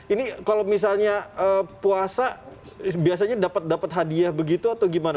ini kalau misalnya puasa biasanya dapat dapat hadiah begitu atau gimana